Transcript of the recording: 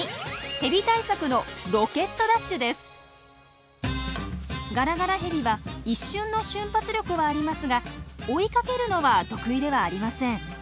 ヘビ対策のガラガラヘビは一瞬の瞬発力はありますが追いかけるのは得意ではありません。